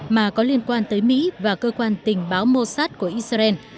mà có liên quan tới mỹ và cơ quan tình báo mossad của israel